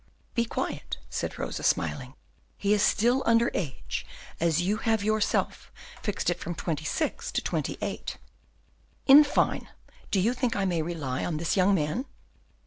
"Be quiet," said Rosa, smiling, "he is still under age, as you have yourself fixed it from twenty six to twenty eight." "In fine, do you think you may rely on this young man?"